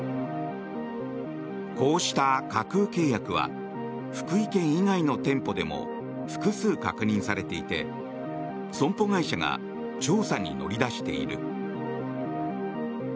こうした架空契約は福井県以外の店舗でも複数、確認されていて損保会社が調査に乗り出している。